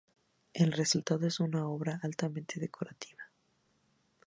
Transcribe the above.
El resultado es una obra altamente decorativa.